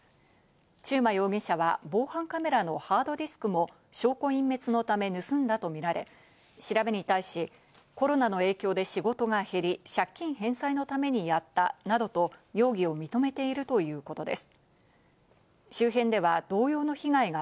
中馬容疑者は防犯カメラのハードディスクも証拠隠滅のため盗んだとみられ、調べに対し、コロナの影響で仕事が減り、借金返済のためにやったなどと容疑を認めているということです。